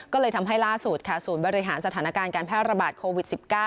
ก็เลยทำให้ล่าสุดค่ะศูนย์บริหารสถานการณ์การแพร่ระบาดโควิด๑๙